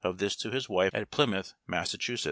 this to his wife at Plymouth, Mass.